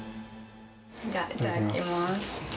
じゃあ、いただきます。